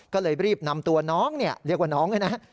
ก็เลยรีบนำตัวน้องเนี่ยเรียกว่าน้องด้วยนะ